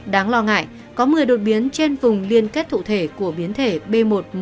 đáng lo ngại có một mươi đột biến trên vùng liên kết thụ thể của biến thể b một một năm trăm hai mươi chín